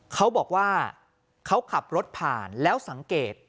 เขาบอกว่าเขาขับรถผ่านแล้วสังเกต